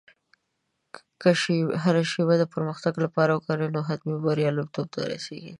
که هره شېبه د پرمختګ لپاره وکاروې، نو حتمي به بریالیتوب ته ورسېږې.